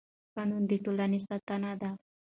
قانون د ټولنې ستنه ده